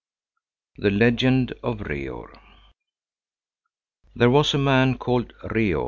THE LEGEND OF REOR There was a man called Reor.